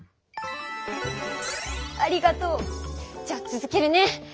ありがとう。じゃあつづけるね。